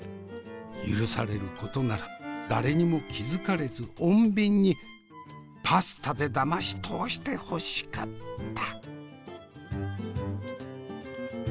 許されることなら誰にも気付かれず穏便にパスタでだまし通してほしかった。